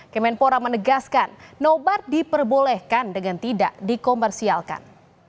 kemenpora menegaskan nobar diperbolehkan dengan tidak dikomersialkan